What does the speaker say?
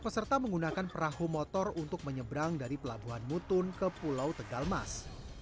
serta menggunakan perahu motor untuk menyeberang dari pelabuhan mutun ke pulau tegalmas